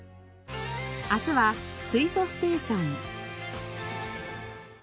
明日は水素ステーション。